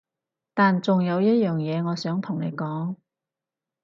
但仲有一樣嘢我想同你講